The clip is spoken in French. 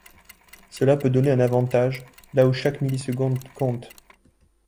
Cela peut donner un avantage, là où chaque milliseconde compte.